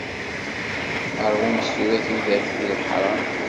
Rwumt tura tudert di laḥram.